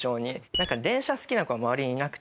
なんか電車好きな子が周りにいなくて。